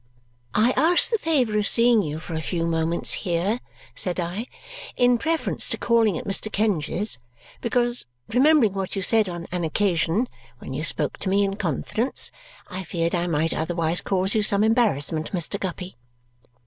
"I asked the favour of seeing you for a few moments here," said I, "in preference to calling at Mr. Kenge's because, remembering what you said on an occasion when you spoke to me in confidence, I feared I might otherwise cause you some embarrassment, Mr. Guppy."